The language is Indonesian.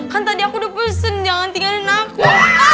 kan tadi aku udah bosen jangan tinggalin aku